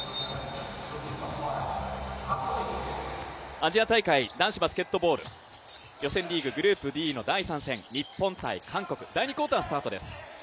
アジア大会男子バスケットボール予選リーググループＤ日本対韓国、第２クオータースタートです。